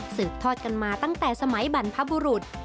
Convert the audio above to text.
ทอดกันมาตั้งแต่สมัยบรรพบุรุษ